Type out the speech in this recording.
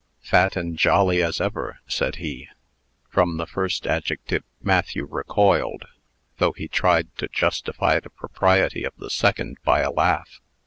"Fat and jolly as ever," said he. From the first adjective Matthew recoiled; though he tried to justify the propriety of the second by a laugh.